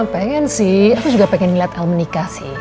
pengen sih aku juga pengen ngeliat al menikah sih